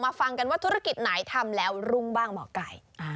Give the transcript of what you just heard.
ฟังกันว่าธุรกิจไหนทำแล้วรุ่งบ้างหมอไก่